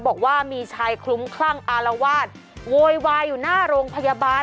บอกว่ามีชายคลุ้มคลั่งอารวาสโวยวายอยู่หน้าโรงพยาบาล